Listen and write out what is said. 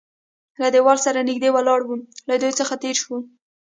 له دېوال سره نږدې ولاړ و، له دوی څخه تېر شوو.